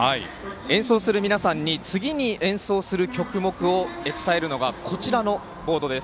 演奏する皆さんに、次に演奏する曲目を伝えるのがこちらのボードです。